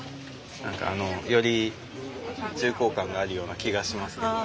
何かあのより重厚感があるような気がしますけど。